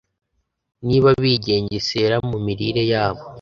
niba bigengesera mu mirire yabo